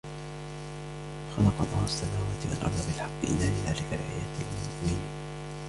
خلق الله السماوات والأرض بالحق إن في ذلك لآية للمؤمنين